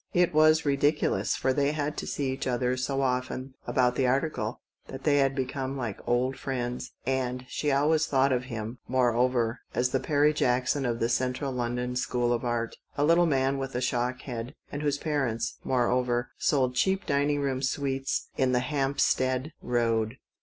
It was ridiculous, for they had to see each other so often about the article that they had become like old friends. And she always thought of him, moreover, as the Perry Jackson of the Central London School of Art — a little man with a shock head, whose parents, moreover, sold cheap dining room suites in the Hampstead Boad.